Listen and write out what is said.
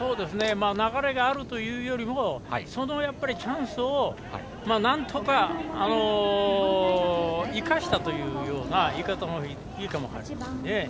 流れがあるというよりもそのチャンスをなんとか生かしたというような言い方のほうがいいかもしれないですね。